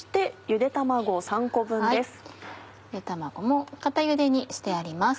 ゆで卵も固ゆでにしてあります。